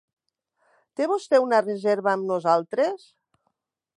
Té vostè una reserva amb nosaltres?